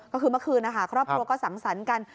ก็คือเมื่อคืนนะคะครอบครัวก็สังสรรค์กัน